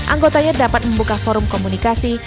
anggotanya dapat membuka forum komunikasi